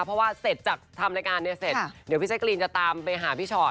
เพราะว่าเสร็จจากทำรายการเนี่ยเสร็จเดี๋ยวพี่แจกรีนจะตามไปหาพี่ชอต